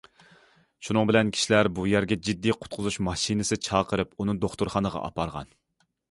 شۇنىڭ بىلەن كىشىلەر بۇ يەرگە جىددىي قۇتقۇزۇش ماشىنىسى چاقىرىپ ئۇنى دوختۇرخانىغا ئاپارغان.